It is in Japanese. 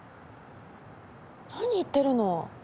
何言ってるの？